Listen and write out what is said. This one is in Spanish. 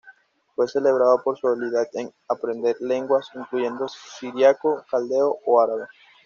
Fue celebrado por su habilidad en aprender lenguas, incluyendo siríaco, caldeo, o árabe.